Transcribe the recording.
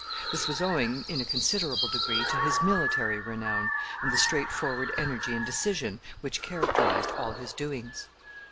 This was owing, in a considerable degree, to his military renown, and the straightforward energy and decision which characterized all his doings.